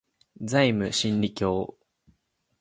ザイム真理教